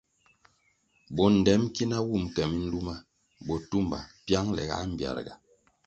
Bondtem ki na wun ke miluma botumba piangle ga mbpiarga.